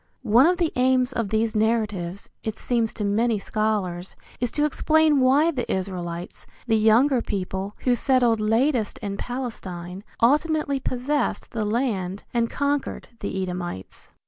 One of the aims of these narratives, it seems to many scholars, is to explain why the Israelites, the younger people, who settled latest in Palestine, ultimately possessed the land and conquered the Edomites.